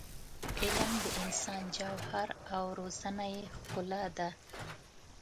علم د انسان جوهر او روزنه یې ښکلا ده.